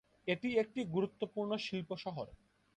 এটি একটি গুরুত্বপূর্ণ শিল্প শহর।